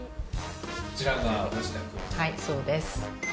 はい、そうです。